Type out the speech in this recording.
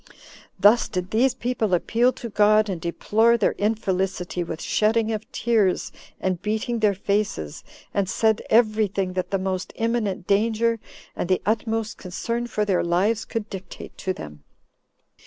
Thus did these people appeal to God, and deplore their infelicity with shedding of tears, and beating their faces, and said every thing that the most imminent danger and the utmost concern for their lives could dictate to them.